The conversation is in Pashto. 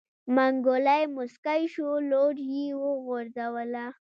منګلی موسکی شو لور يې وغورځوه.